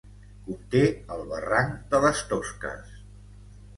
Conté el barranc de les Tosques.